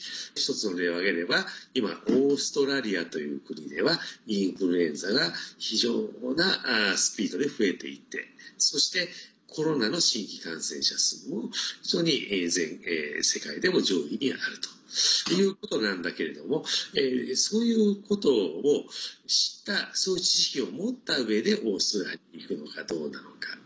１つの例を挙げれば今、オーストラリアという国ではインフルエンザが非常なスピードで増えていてそして、コロナの新規感染者数も非常に世界でも上位にあるということなんだけれどもそういうことを知ったそういう知識を持ったうえでオーストラリアに行くのかどうなのか。